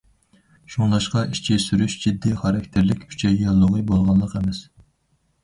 شۇڭلاشقا ئىچى سۈرۈش جىددىي خاراكتېرلىك ئۈچەي ياللۇغى بولغانلىق ئەمەس.